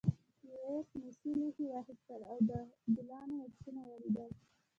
میرويس مسي لوښی واخیست او د ګلانو نقشونه ولیدل.